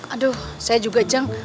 aduh saya juga jang